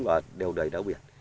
và đều đầy đá biển